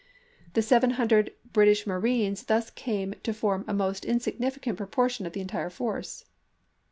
The seven hundred British marines thus came to form a most insignificant proportion of the entire force.